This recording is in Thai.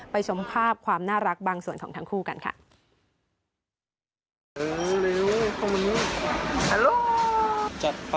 ชมภาพความน่ารักบางส่วนของทั้งคู่กันค่ะ